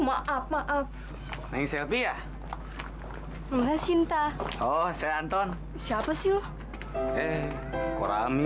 makan ih maaf maaf maaf maaf selvi ya enggak cinta oh saya anton siapa sih lo eh koramil